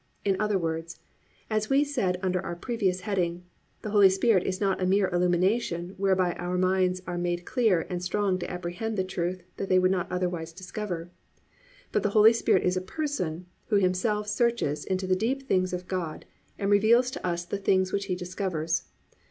In other words, as we said under our previous heading, the Holy Spirit is not a mere illumination whereby our minds are made clear and strong to apprehend truth that they would not otherwise discover, but the Holy Spirit is a person Who Himself searches into the deep things of God and reveals to us the things which He discovers.